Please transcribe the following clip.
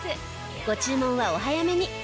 ご注文はお早めに。